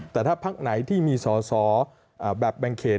แต่ถ้าพักไหนที่มีสอสอแบบแบ่งเขต